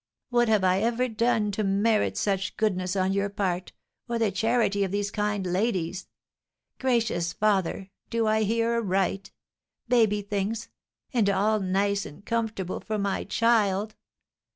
"What have I ever done to merit such goodness on your part, or the charity of these kind ladies? Gracious Father! Do I hear aright? Baby things! and all nice and comfortable for my child!